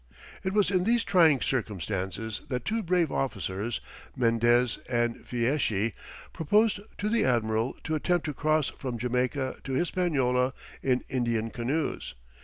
It was in these trying circumstances that two brave officers, Mendez and Fieschi, proposed to the admiral to attempt to cross from Jamaica to Hispaniola in Indian canoes.